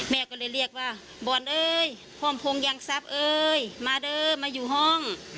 แม่ก็เลยเรียกว่าบอลเอ้ยพร้อมพงยังทรัพย์เอ้ยมาเด้อมาอยู่ห้อง